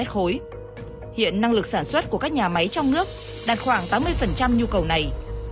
tuy nhiên đến một nửa nguyên liệu đầu vào của các nhà máy trong nước là khoảng tám mươi nhu cầu này